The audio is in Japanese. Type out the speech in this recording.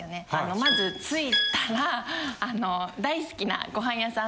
まず着いたら大好きなご飯屋さん